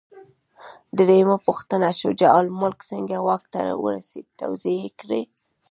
درېمه پوښتنه: شجاع الملک څنګه واک ته ورسېد؟ توضیح یې کړئ.